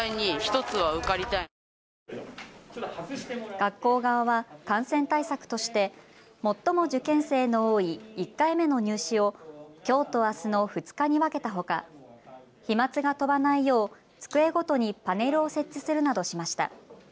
学校側は感染対策として最も受験生の多い１回目の入試をきょうとあすの２日に分けたほか飛まつが飛ばないよう机ごとにパネルを設置するなどしました。